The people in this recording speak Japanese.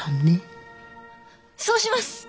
そうします！